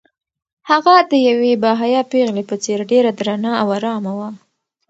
هغه د یوې باحیا پېغلې په څېر ډېره درنه او ارامه وه.